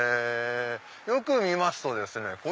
よく見ますとですね